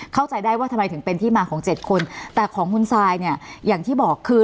เข้าใจได้ว่าทำไมถึงเป็นที่มาของเจ็ดคนแต่ของคุณซายเนี่ยอย่างที่บอกคือ